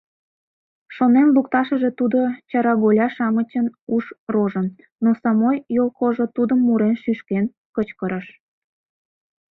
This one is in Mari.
Шонен лукташыже тудо чараголя-шамычын уш рожын, но самой йолкожо тудым мурен-шӱшкен кычкырыш.